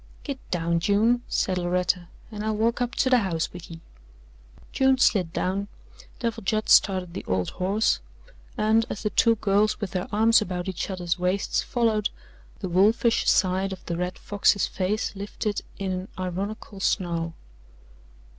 "Git down, June," said Loretta, "and I'll walk up to the house with ye." June slid down, Devil Judd started the old horse, and as the two girls, with their arms about each other's waists, followed, the wolfish side of the Red Fox's face lifted in an ironical snarl.